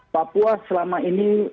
papua selama ini